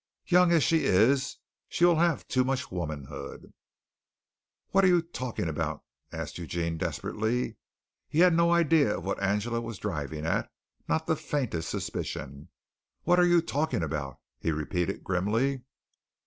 Young as she is, she will have too much womanhood." "What are you talking about?" asked Eugene desperately. He had no idea of what Angela was driving at, not the faintest suspicion. "What are you talking about?" he repeated grimly.